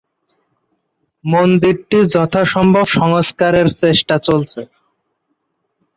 মন্দিরটির যথা সম্ভব সংস্কারের চেষ্টা চলছে।